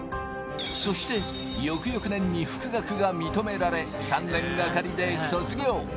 そして翌々年に復学が認められ、３年がかりで卒業。